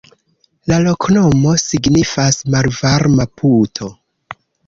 La loknomo signifas: malvarma-puto.